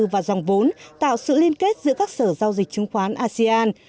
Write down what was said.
và dòng vốn tạo sự liên kết giữa các sở giao dịch chứng khoán asean